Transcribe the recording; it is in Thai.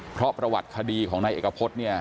เพราะประวัติคดีของนายเอกพฤษเนี่ย